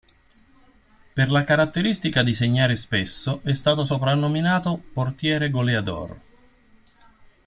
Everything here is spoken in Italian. Per la caratteristica di segnare spesso, è stato soprannominato "portiere goleador".